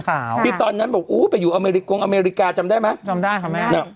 ครับตอนนั้นแบบไปอยู่กงอเมริกาจำได้ไหมจำได้ครับแม่